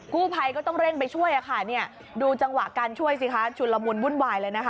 กู้ไภก็ต้องเร่งไปช่วยดูจังหวะการช่วยสิกระชุนละมุนบุ้นวาย